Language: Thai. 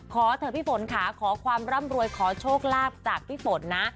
ขอเถอะพี่ฝนค่ะขอความร่ำรวยขอโชคลาภจากพี่ฝนนะ